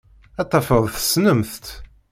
Ad tafeḍ tessnemt-tt.